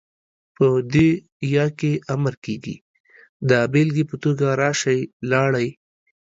په دې ئ کې امر کيږي، دا بيلګې په توګه ، راشئ، لاړئ،